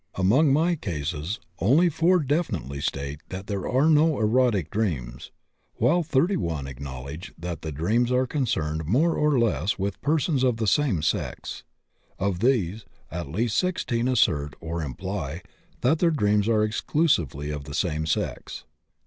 Among my cases, only 4 definitely state that there are no erotic dreams, while 31 acknowledge that the dreams are concerned more or less with persons of the same sex. Of these, at least 16 assert or imply that their dreams are exclusively of the same sex.